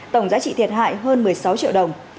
tổng giá trị thiệt hại hơn một mươi sáu triệu đồng